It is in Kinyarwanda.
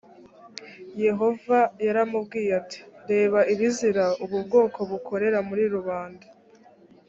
yehova yaramubwiye ati “ reba ibizira ubu bwoko bukorera murirubanda”